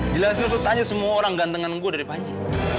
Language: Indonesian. jelasin lo tanya semua orang gantengan gue dari panji